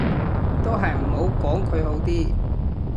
都係唔好講佢好啲